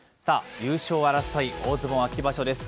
優勝争い、大相撲秋場所です。